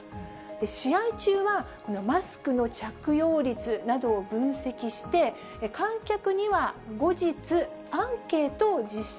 試合中は、マスクの着用率などを分析して、観客には後日、アンケートを実施